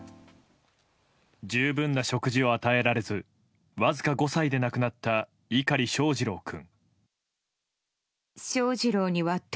十分な食事を与えられずわずか５歳で亡くなった碇翔士郎君。